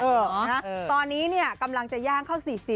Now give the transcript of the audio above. ตอนนี้เนี่ยกำลังจะย่างเข้า๔๐